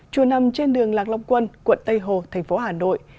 chùa nằm trên đường lạc long quân quận tây hồ thành phố hà nội